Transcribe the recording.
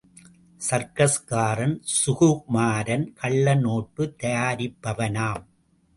சர்க்கஸ்காரன் சுகுமாரன் கள்ள நோட்டு தயாரிப்பவனாம்..!